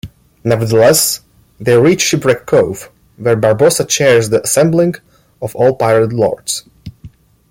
Nevertheless, they reach Shipwreck Cove, where Barbossa chairs the assembling of all Pirate Lords.